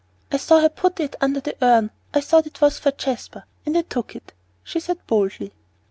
"I saw her put it under the urn. I thought it was for Jasper, and I took it," she said boldly.